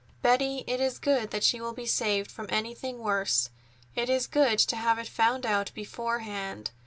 "Betty, it is good that she will be saved from anything worse. It is good to have it found out beforehand."